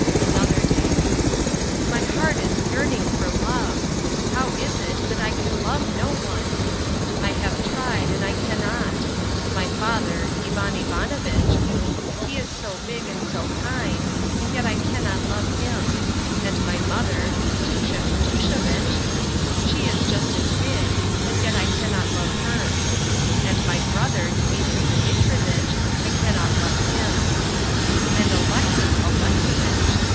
Another Day. My heart is yearning for love! How is it that I can love no one? I have tried and I cannot. My father—Ivan Ivanovitch—he is so big and so kind, and yet I cannot love him; and my mother, Katoosha Katooshavitch, she is just as big, and yet I cannot love her. And my brother, Dimitri Dimitrivitch, I cannot love him. And Alexis Alexovitch!